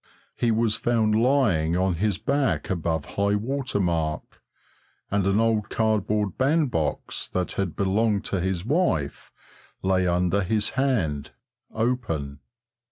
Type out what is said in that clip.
He was found lying on his back above high water mark, and an old cardboard bandbox that had belonged to his wife lay under his hand, open.